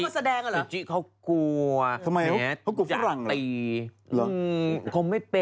ตอนเขามาแสดงอ่ะเหรอ